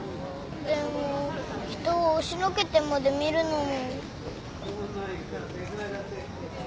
でも人を押しのけてまで見るのも。